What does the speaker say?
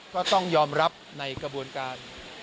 ก็ต้องยอมรับในกระบวนการ